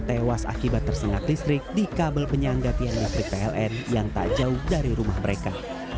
tewas akibat tersengat listrik di kabel penyangga tian listrik pln yang tak jauh dari rumah mereka